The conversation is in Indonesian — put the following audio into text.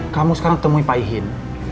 kamu sekarang temui pak ihin